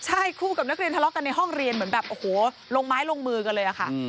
ใช่คู่กับนักเรียนทะเลาะกันในห้องเรียนเหมือนแบบโอ้โหลงไม้ลงมือกันเลยอะค่ะ